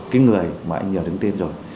cái người mà anh nhờ đứng tên rồi